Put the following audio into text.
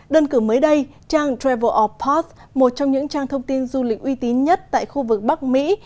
đơn cử mới đây trang travel of post một trong những trang thông tin du lịch uy tín nhất tại khu vực bắc mỹ